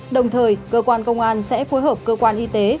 đồng thời cơ quan công an sẽ phối hợp cơ quan y tế